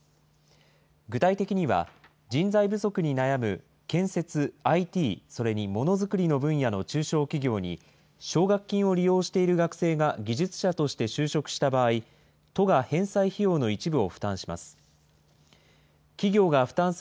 具体的には、人材不足に悩む建設、ＩＴ、それにものづくりの分野の中小企業に奨学金を利用している学生が技術者として就職した場合、都が返済費用の一部を負担します。